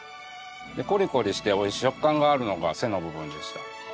コリコリして美味しい食感があるのが背の部分でした。